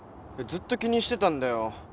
ずっと気にしてたんだよ。